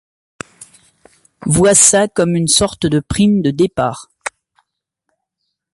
Vois ça comme une sorte de prime de départ.